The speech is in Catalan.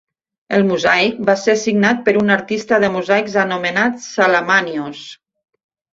El mosaic va ser signat per un artista de mosaics anomenat Salamanios.